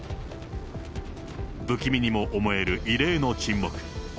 不気味にも思える異例の沈黙。